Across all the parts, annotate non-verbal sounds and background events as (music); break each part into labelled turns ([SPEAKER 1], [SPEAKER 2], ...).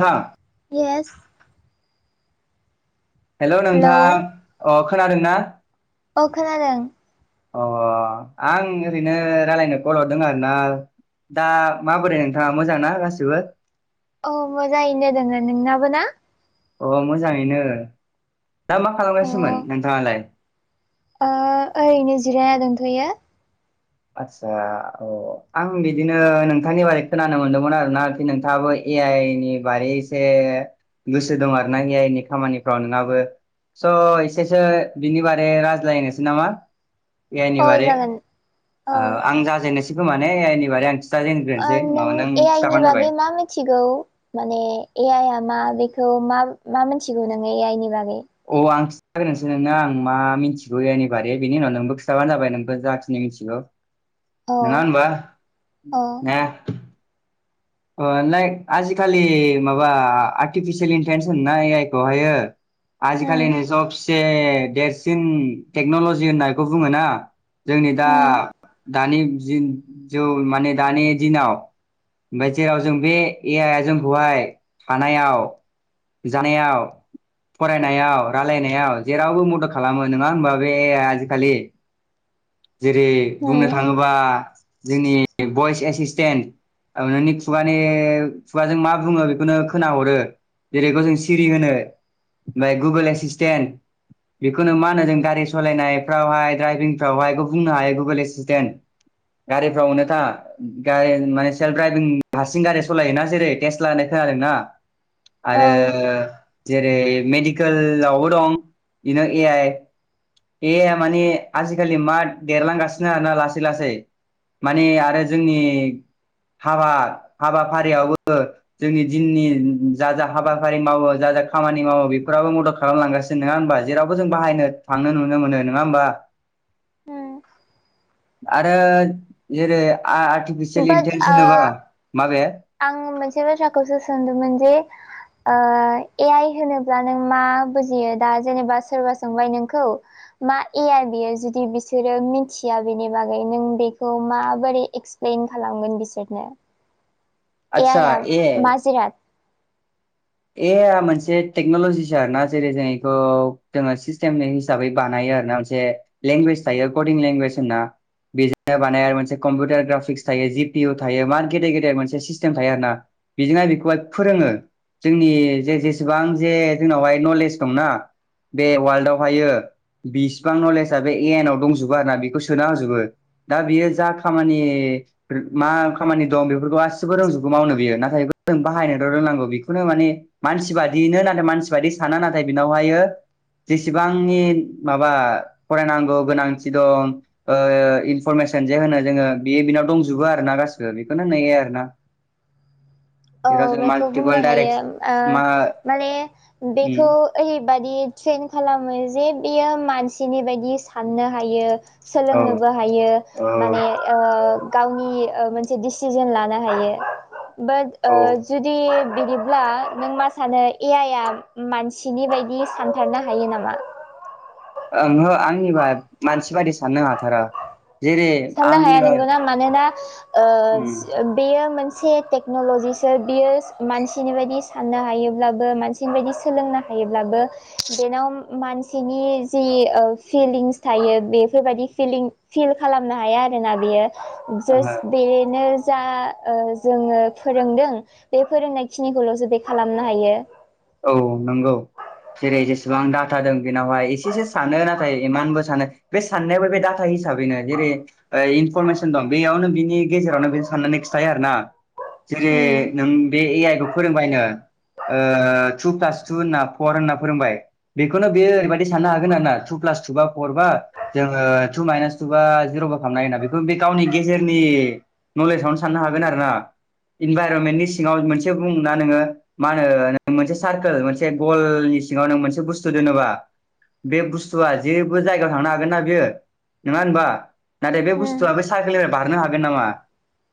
[SPEAKER 1] थां
[SPEAKER 2] इ एस
[SPEAKER 1] हेल'
[SPEAKER 2] हेलौ
[SPEAKER 1] नोंथां अ खोनादों ना?
[SPEAKER 2] औ खोनादों
[SPEAKER 1] अ आं ओरैनो रायलायनो कल हरदों आरो ना दा माबोरै नोंथाङा मोजां ना गासिबो
[SPEAKER 2] औ मोजाङैनो दोङो नोंनाबो ना
[SPEAKER 1] अ मोजाङैनो दा मा
[SPEAKER 2] अ
[SPEAKER 1] खालामनायसोमोन नोंथाङालाय
[SPEAKER 2] ओ ओरैनो जिरायना दोंथ'यो।
[SPEAKER 1] आच्चसा औ ओ आं बिदिनो नोंथांनि बारै खोनानो मोनदोंमोन आरोना आरोखि नोंथाङाबो ए आइ नि बारै एसे गोसो दं आरोना ए आइ नि खामानिफ्राव नोंनाबो स' एसेसो बिनि बारै रायज्लायनोसै नामा ए
[SPEAKER 2] औ
[SPEAKER 1] आइनि बारै
[SPEAKER 2] जागोन
[SPEAKER 1] औ आं जाजेननोसै खोमा ने ए आइनि बारै आं
[SPEAKER 2] ओ
[SPEAKER 1] खिथाजेनग्रोनोसै उनाव
[SPEAKER 2] नों ए आइ नि
[SPEAKER 1] खिथाबानो जाबाय
[SPEAKER 2] बागै मा मिथिगौ माने ए आइ आ मा? बेखौ मा मा मिथिगौ नोङो आइनि बागै?
[SPEAKER 1] औ आं (unintelligible) नोंना आं मा मिथिगौ ए आइनि बारै बिनि उनाव नोंबो खिथाबानो जाबाय नोंबो जाखिनि मिथिगौ।
[SPEAKER 2] औ
[SPEAKER 1] नङा होनबा
[SPEAKER 2] औ
[SPEAKER 1] ओ लाइक आजिखालि माबा आर्टिफिसियेल इन्टेन्सहोनो ना ए आइ खौ हायो।
[SPEAKER 2] उम
[SPEAKER 1] आजिखालिनि सबसे देरसिन टेक्न'लजि होननायखौ इखौ बुङो ना जोंनि दा
[SPEAKER 2] उम
[SPEAKER 1] दानि जि जौ माने दानि दिनाव ओमफाय जेराव जों बे ए आइया जोंखौहाय थानायाव जानायाव फरायनायाव रायलायनायाव जेरावबो मदद खालामो नङा हबा बे ए आइ या आजिखालि जेरै बुंनो
[SPEAKER 2] उम
[SPEAKER 1] थाङोबा जोंनि भइस एसिसटेन्ट नोंनि खुगानि खुगाजों मा बुङो बेखौनो खोनाहरो जेरै ग जों सिरि होनो ओमफाय गुगोल एसिसटेन्ट बेखौनो मा होनो जों गारि सालायनायफ्रावहाय ड्राइभिं फावहाय बुंनो हायो गुगोल एसिसटेन्ट गारिफ्राव अनोथा गारि माने सेल्फड्राइभिं हारसिं गारि सालाय जेरै टेस्ट लानाय खोनादों ना
[SPEAKER 2] औ
[SPEAKER 1] आरो जेरै मेडिकेलावबो दं बिनो ए आइ एया माने आजिखालि मा देरलांगासिनो आरोना लासै लासै माने आरो जोंनि हाबा - हाबाफारियावबो जोंनि दिननि जा जा हाबाफारि मावो जा जा खामानि मावो बेफोराबो मदद खालामलांगासिनो नंङा होमबा जेरावबो जों बाहायनो थांनो नुनो मोनो नंङा होमबा
[SPEAKER 2] उम
[SPEAKER 1] आरो जेरै आर्टिफिसियेल
[SPEAKER 2] बाट
[SPEAKER 1] इन्टेलिजेन्स
[SPEAKER 2] ओ
[SPEAKER 1] होनोबा माबे
[SPEAKER 2] आं मोनसे बाथ्राखौसो सोंदोंमोन जे ए आइ होनोब्ला नों मा बुजियो दा जेनेबा सोरबा सोंबाय नोंखौ मा एयार बियो जुदि बिसोरो मिथिया बेनि बागै नों बेखौ माबोरै एक्सप्लेन खालामगोन बिसोरनो ए
[SPEAKER 1] आदसा
[SPEAKER 2] आइ आ
[SPEAKER 1] ए
[SPEAKER 2] माजिराद
[SPEAKER 1] ए मोनसे टेक्न'लजिसो आर ना जेरै जों बेखौ जोंङो सिस्टेमनि हिसाबै बानाय मोनसे लेंवेज थायों लेंगुेज होनना बेजोंनो बानाय आरो मोनसे कम्पिउटार ग्राफिक्स थायो जि पिअ थायो मार गेदेर- गेदेर मोनसे सिस्टेम थायो आर ना बेजोंनो बेखौब फोरोंङो जोंनि जे जेसेबां जे जोंनावहाय नलेज दंना बे वालल्डआवहायो बिसिबां नलेजआ बे ए आइ नाव दंजोबो आरो ना बेखौ सोना होजोबो दा बियो जा खामानि मा खामानि दं बेफोरखौ गासिबो रोंजौगबो मावनो बियो नाथाय जों बाहायनो र' रोंनांगौ बेखौ खुनु माने मानसि बादियनो नाथाय मानसि बादि साना नाथाय बेनावहायो जेसेबांनि माबा फरायनांगौ गोनांथि दं इनफरमेसन सेनजाया होनो जोंङो बे बिनाव दंजोबो आरो ना गासिबो बेखौनो नेनाययो आरो ना
[SPEAKER 2] औ बेखौ बुंनो हायो
[SPEAKER 1] मा
[SPEAKER 2] माने
[SPEAKER 1] उम
[SPEAKER 2] बेखौ ओय बेबादि ट्रेन खालामो जे बियो मानसिनि बायदि साननो हायो ।
[SPEAKER 1] औ
[SPEAKER 2] सोलोंनोबो हायो
[SPEAKER 1] औ
[SPEAKER 2] माने ओ गावनि मोनसे डिसिजन लानो हायो बाट
[SPEAKER 1] औ
[SPEAKER 2] जुदि बिदिब्ला नों मा सानो ए आइआ मानसिनि बायदि सानथारनो हायो नामा?
[SPEAKER 1] ओंहो आंनिबा मानसि बादि साननो हाथारा जेरै
[SPEAKER 2] साननो हाया
[SPEAKER 1] आंङो
[SPEAKER 2] नंगौना मानोना ओ बेयो मोनसे मोनसे टेक्न'ल'जिसो बियो मानसिनि बायदि साननो हायोब्लाबो मानसिनि बायदि सोलोंनो हायो थायोब्लाबो बेनाव मानसिनि जि फिलिंस थायो बेफोर बायदि फिलिं फिल खालामनो हाया आरोना बियो जास
[SPEAKER 1] ओहो
[SPEAKER 2] बेनो जा जोंङो फोरोंदों बे फोरोंनाय खिनिखौल' जो बे खालामनो हायो ।
[SPEAKER 1] औ नंगौ जेरै जेसेबां डाटा दं बेनावहाय एसेसो सानो नाथाय इमानबो सानो बे साननायावबो बे डाटा हिसाबैनो जेरै इनफरमेसन दं बेयावनो बिनि गेजेरावनो बे साननानै खिथायो आरो ना जेरै
[SPEAKER 2] उम
[SPEAKER 1] नों बे ए आइ खौ फोरोंबायनो टु प्लास टु होनना फर होनना फोरोंबाय बेखौनो बेयो ओरैबायदि साननो हागोन आर ना टु प्लास टु बा फर बा जोंङो टु माइनास टु बा जिरबो खालामनो हायोना बेखौ बे गावनि गेजेरनि नलेजावनो साननो हागोन आरो ना इनभाइरनमेन्टनि सिङांव मोनसे बुंना नोंङो मा होनो मोनसे सारकोल मोनसे गलनि सिङांव नों मोनसे बुस्थु दोनोबा बे बुस्थुआ जेबो जायगायाव थांनो हागोन नना बेयो नंङा होनबा नाथाय बे
[SPEAKER 2] उम
[SPEAKER 1] बुस्थुआबो सारकेलनिफ्राय बारनो हागोन नामा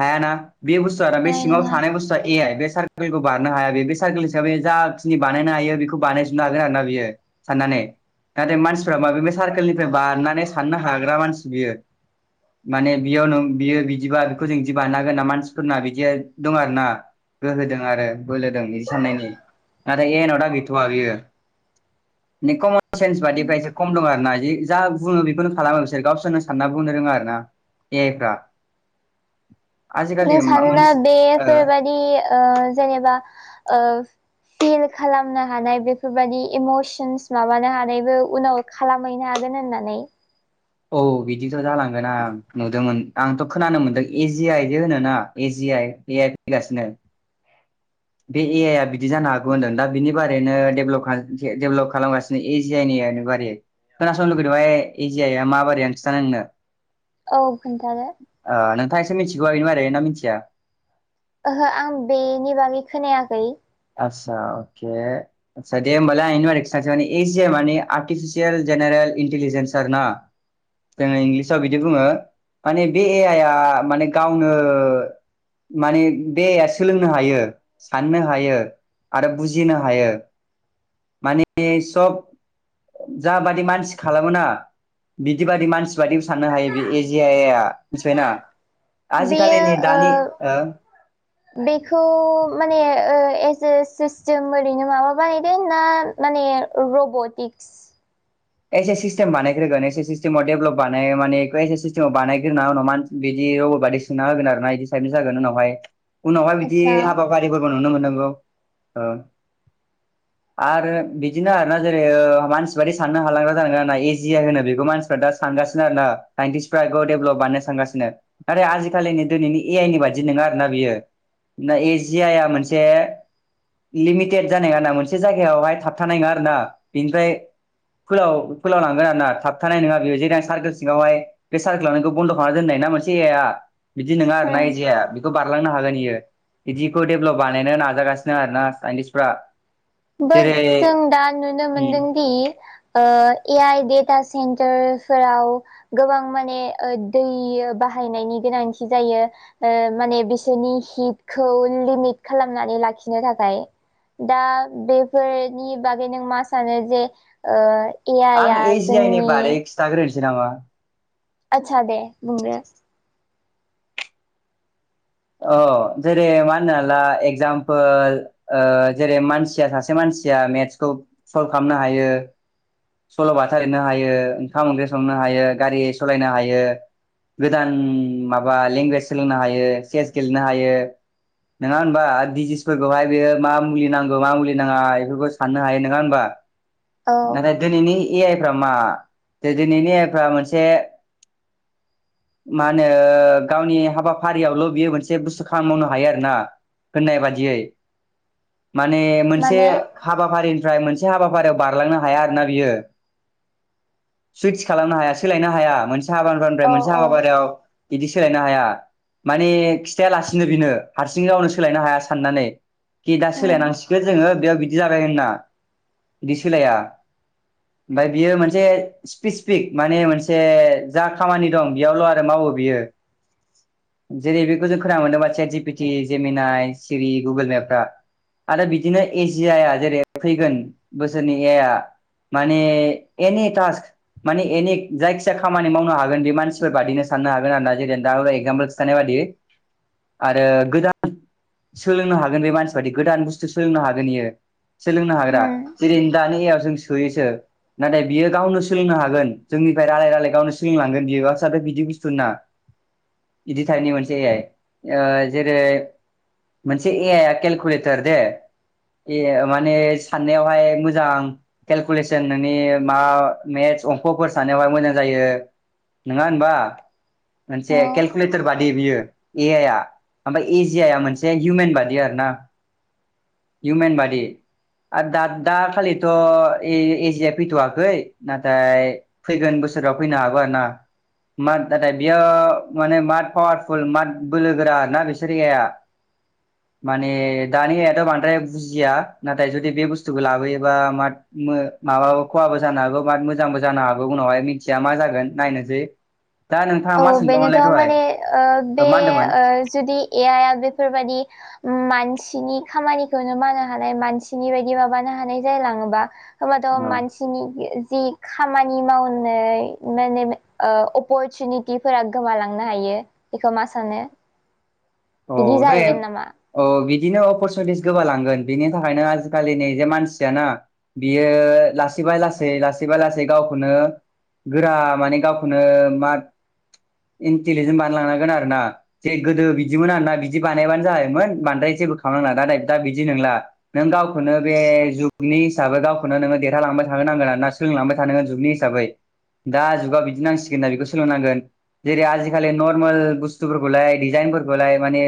[SPEAKER 1] हायाना बे बुस्थुआ आरो बे
[SPEAKER 2] हानाय
[SPEAKER 1] सिङांव
[SPEAKER 2] नङा
[SPEAKER 1] थानाय बुस्थुआ ए आइ बे सार्कोलखौ बारनो हाया बे सारकोल हिसाबै जा मसिनि बानायनो हायो बेखौ बानायजोबनो हागोन आरोना बियो साननानै नाथाय मानसिफ्रा माबेब सार्कोलनिफ्राय बारनानै साननो हाग्रा मानसि बियो माने बेयाव न बियो बिदिबा बेखौ जों बिदि बानो हागोन ना मानसिफोरना बिदि दं आरो ना गोहोदों आरो बोलोदों बिदि साननायनि आरो एनाव दा गैथवा बियो कमन सेन्स बादि एसे खम दं आरो ना जा बुङो बेखौनो खालामो बिसोर गावसोरनो सानना बुंनो रोङा आरो ना ए आइफ्रा (inaudible)
[SPEAKER 2] नों सानोना बेफोरबादि ओ जेनेबा ओ फिल खालामनो हानाय बेफोरबायदि इमसन्स माबानो हानायबो उनाव खालामहैनो हागोन हागोन होननानै
[SPEAKER 1] औ बिदिथ जालांगोन आं नुदोंमोन आंथ‌ खोनानो मोनदों एजि आइदि होनोना एजि आइ ए आइ फैगासिनो बे एयइआ बिदि जानो हागौ होनदों दा बिनि बारैनो डेभेलप डेभेलप खालामगासिनो एजियानि बारै खोनासंनो लुगैदोंबा एयजियाया मा बारैहाय खिथानो नोंनो
[SPEAKER 2] औ खोन्थादो
[SPEAKER 1] नै मिथिगौआ बेनि बागै ना मिथिया
[SPEAKER 2] ओहो आं बेनि बागै खोनायाखै
[SPEAKER 1] आतसा दे होनबा आं बेनि बागै खिनथानिसै एयइजिया आरतिफिचियेल जेनेरेल इन्टेलिजेनसार ना जोङो इंलिसाव बिदि बुङो माने बे ए आइआ माने गावनो माने देहाया सोलोंनो हायो साननो हायो आरो बुजिनो हायो माने सब जाबादि मानसि खालामो ना बिदिबादि मानसि बादि साननो हायो बे एजि आ आ मिथिबायना आजिखालि
[SPEAKER 2] बेयो
[SPEAKER 1] नै दानि
[SPEAKER 2] ओ बेखौ माने ओ सिस्टेम ओरैनो माबा बानायदों ना माने रबटिक्स
[SPEAKER 1] एसे सिस्टेम बानायग्रोगोन एसे सिस्टेमाव डेभेलप बानाय माने बेखौ एसे सिस्टेमाव बानायग्रोना उन मान बिदि सोना होगोन आरोना इदि साइदनि जागोन उनावहाय उनावहाय बिदि
[SPEAKER 2] आतसा
[SPEAKER 1] हाबाफारि नुनो मोननांगौ आरो बिदिनो आरोना जेरै मानसि साननो हालांग्रा जालांगोन आरोना ना इजिआय होनो बेखौ मानसिफ्राा सानगानो आरो ना साइनतिसफ्रा बेखौ देभलप बानायनो सानगासिनो नाथाय आजिखालिनि दिनैनि ए आइ नि बादि नङा आरोना बियो ना एज आइआ मोनसे लिमिटेड जानाय नङा ना मोनसे जायगायावहाय थाबथानाय नङा आरो ना बेनिफ्राय फोलाव फोलाव लांगोन आरोना थाबथानाय नङा बेयो जेर सारकोल सिङावहाय बे सारकोल लांनायखौ बन्द खालामना दोनदों नाय ना मोनसे बिदि नङा आरोना
[SPEAKER 2] उम
[SPEAKER 1] जाया खौ बारलांनो हागोन इयो बिदिखौ डेभेलप बानायनो नाजागासिनो आरोना साइन्टिस्टफ्रा
[SPEAKER 2] बो
[SPEAKER 1] जेरै
[SPEAKER 2] जों दा नुनो मोनदों
[SPEAKER 1] उम
[SPEAKER 2] दि ओ ए आइ डेटा सेन्टारफोराव गोबां माने दै बाहाय नायनि गोनांथि जायो ओ माने बिसोरनि हितखौ लिमिट खालामनानै लाखि लाखिनो थाखाय दा बेफोरनि बागै नों मा सानो जे ओ ए आइ
[SPEAKER 1] आं
[SPEAKER 2] आ
[SPEAKER 1] एज आइ नि
[SPEAKER 2] जोंनि
[SPEAKER 1] बारै खिथाग्रोनोसै नामा
[SPEAKER 2] आतसा दे बुं दे
[SPEAKER 1] अ जेरै मा होनो ला एगजामपोल ओ जेरै मानसिया सासे मानसि मानसिया मेथ्सखौ सल्भ खालामनो हायो सलबाथा लिरनो हायो ओंखाम ओंख्रि संनो हायो गारि सालायनो हायो गोदान माबा लेंगुवेज सोलोंनो हायो चेस गेलेनो हायो नङा होनबा डिजिसफोरखौहाय बेयो मा मुलि नांगौ मा मुलि नाङा बेफोरखौ साननो हायो नङा होनबा
[SPEAKER 2] औ
[SPEAKER 1] नाथाय दिनैनि ए आइफ्रा मा दिनैनि एआइफ्रा मोनसे मा ओनो गावनि हाबाफारियावल'। बियो मोनसे बुस्थु खामानि मावनो हायो आरोना होननाय बादियै। माने मोनसे
[SPEAKER 2] माने
[SPEAKER 1] हाबाफारिनिफ्राय मोनसे हाबाफारियाव बारलांनो हाया आरोना बियो। सुइदस खालामनो हाया सोलायनो हाया मोनसे। (unintelligible) मोनसे
[SPEAKER 2] औ औ
[SPEAKER 1] हाबाफारियाव इदि सोलायनो हाया। माने खिथायालासिनो बेनो हारसिं गावनो सोलायनो हाया साननानै। कि दा
[SPEAKER 2] उम
[SPEAKER 1] सोलायनांसिगोन जोङो बेयाव बिदि जाबाय होनना बिदि सोलाया। ओमफाय बियो मोनसे स्पेसिफिक माने मोनसे जा खामानि दं बेयावल' आरो मावो। बियो। जेरै बेखौ जों खोनानो मोनदों मानसिया जि पिटि जेमिनानाय सिरि गुगोल मेपफ्रा। आरो बिदिनो एजि आइआ जेरै फैगोन बोसोरनि ए इआ। माने एनि टास्क माने एनि जायखिजाया खामानि मावनो हागोन बे मानसिफोर बादिनो सा--। साननो हागोन जेरै एगजापोलस थानाय बाददि। आरो गोदान सोलोंनो हागोन बे मानसि बादि गोदान बुस्थु सोलोंनो हागोन इयो। सोलोंनो हाग्रा
[SPEAKER 2] उम
[SPEAKER 1] जिरिं दानि ओ। जों सोयोसो नाथाय बियो गावनो सोलोंनो हागोन जोंनिफ्राय रायलाय रायलाय गावनो सिलोंलांगोन बियो। बिदि बुस्थुनना इदिथारनि मोनसे ओ जेरै। मोनसे ए आइ आ केलकुलेटार दे। ए माने साननायावहाय मोजां केलकुलेसन नोंनि मा मेद। अंक'फोर साननायाव बांङाय मोजां जायो नोंङा ओनबा मोनसे
[SPEAKER 2] औ
[SPEAKER 1] केलक--। कुलेटर बादि बियो ए आइ आ ओमफाय एजियाया मोनसे इउमेन बादि आरोना। इउमेन बाडि। आरो दाद दा खालिथ' ए एजिया फैथ'वाखै नाथाय फैगोनबो। बोसोराव फैनो हागौ आरो ना मा दाथाय बियो। माने माद पावारफुल माट बोलो गोरा ना बिसोरियाया। माने दानियाएद' बांद्राय बुजिया नाथाय जुदि बे बुस्थुखो लाबोयोबा माद। मो माबाबो खहाबो जानो हागौ बा मोजांबो जानो हागौ उनावहाय मिथिया मा जागोन नायनोसै। दा नोंथाङा
[SPEAKER 2] औ
[SPEAKER 1] मा सोंगोमोनलाय।
[SPEAKER 2] बेनोथ' माने ओ बे ओ जुदि एआइ आ बेफोरबायदि ओम मान--। मानसिनि खामानिखौनो मावनो हानाय मानसिनि बायदि माबानो हानाय जालाङोबा। होमबाथ' मानसिनि गि जि। खामानि मावनोय माने ओ अपरसुनि--। बिफोरा गोमालांनो हायो बिखो मा सानो।
[SPEAKER 1] औ
[SPEAKER 2] बिदि
[SPEAKER 1] दे
[SPEAKER 2] जाहैगोन नामा।
[SPEAKER 1] औ बिदिनो अपरसुनिटिस गोबालांगोन बिनि थाखायनो आजिखालि नि जे मानसियाना। बियो लासैबाय लासै लासैबा लासै गावखौनो। गोरा माने गावखौनो माद--। इन्टिलिजेन बानायलांनांगोन आरो ना जे गोदो बिद--। बिदिमोन आरोना बिदि बानायबानो जायोमोन बांद्राय जेबो खालामनांला दा नायद दा बिदि नोंला नों गावखौनो बे। ए जुगनिहासाबै गावखौनो नोङो देरहालांबाय थानो नांगोन आरोना ना सोलोंलांबाय थानोा जुगनि हिसाबै। दा जुगा बिदि नांसिगोनना बेखौ सोलोंनांगोन। जेरै आजिखालि नर्मेल बुस्थुफोरखौलाय डिजाइनफोरख--। खौलाय माने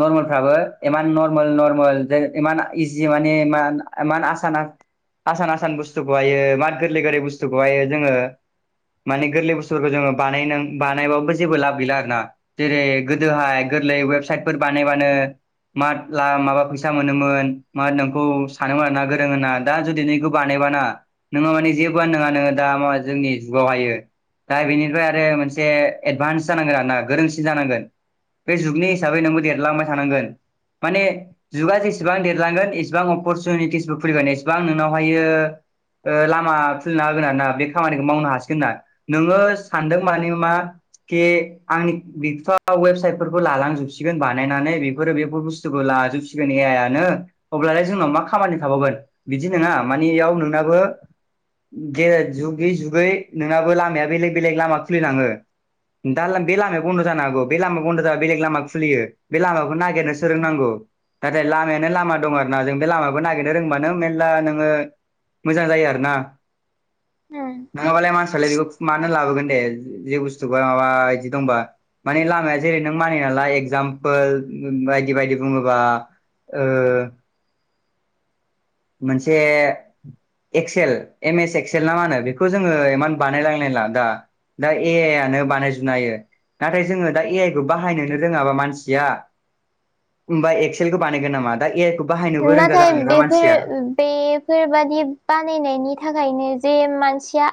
[SPEAKER 1] नर्मेलफ्राबो एमान नर्मेल नर्मेल जे एमान इजि माने मा। एमान आसान आसान बुस्थुखौहायो मान गोरलै गोरलै बुस्तुखौहायो जोङो। माने गोरलै बुसथोफोरखो जोङो बानायनो बानायबाबो जेबो लाब गैला आरो ना जेरै गोदोहाय। गोरलै वेबसाइटफोर बानायबानो। मारग ला माबा फैसा मोनोमोन मा नोंखौ सानोमोन आरोना गोरों होनना दा जुदि नैखो बानायाव--। बाना नोङो माने जेबोआनो नोङानो दा मा जोंनि जुगाव हायो। दा बेनिफ्राय आरो मोनसे एडभान्स जानांगोन आरोना गोरोंसिन जानांगोन। बे जुगनि हिसाबै नोंबो देरलांबाय थानांगोन। माने जुगा जेसेबां देरलांगोन एसेबां अपरसुनिटिसबो फैगोन एसेबां नोंनाव हायो ओ लामा खुलिना होगोन ना बे खामानिखौ मावनो हासिगोन नोङो सानदों माने मा के आंनि (unintelligible) बिफा वेबसाइट फोरखौ लालांजोबसिगोन बानायनानै बेफोरो बेफोर बुस्थुखौ लाजोबसिगोन ए आइनो अब्लालाय जोंनाव मा खामानि थावगोन बिदि नङा मानियाव नोंनाबो जेरै जुगै जुगै नोंनाबो लामाया बेलेग बेलेग लामा खुलिलाङो दा बेलामै बन्द' जानो हागौ बे लाम बन्द जाबा बेलेग लामा खुलियो बे लामाखौ नागिरनो रोंनांगौ नाथाय लामायानो लामा दं आरो ना जों बे लामाखौ नागिरनो रोंबानो मेरला नोङो मोजां जायो आरो ना नङाबालाय मानसियालाय बेखौ मानो लाबोगोन ए जे बुस्थु माबा बिदि दंबा माने लामाया जेरै नों मानिना ला एगजामपोल बायदि बायदि बुङोबा ओ मोनसे एक्सेल एम एस एक्सेल ना मा होनो बेखौ जोङो इमान बानायलायलायला दा दा ए आइ आनो बानायजोबनो हायो। नाथाय जोङो दा ए आइ खौ बाहायनोनो रोङाबा मानसिया होमबा एक्सेलखौ बानायगोन नामा दा बाहायनोबो रोंगा
[SPEAKER 2] नाथाय
[SPEAKER 1] जानांगोन ना
[SPEAKER 2] बेफोर
[SPEAKER 1] मानसिया
[SPEAKER 2] बेफोरबादि बानायनायनि थाखायनो जे मानसिया